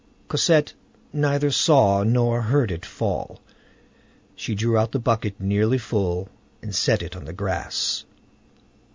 Cosette neither saw nor heard it fall. She drew out the bucket nearly full, and set it on the grass.